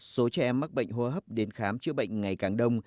số trẻ em mắc bệnh hô hấp đến khám chữa bệnh ngày càng đông